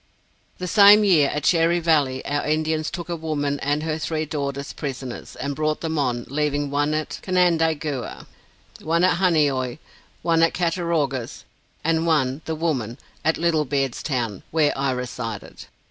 The same year, at Cherry Valley, our Indians took a woman and her three daughters prisoners, and brought them on, leaving one at Canandaigua, one at Honeoy, one at Cattaraugus, and one (the woman) at Little Beard's Town, where I resided.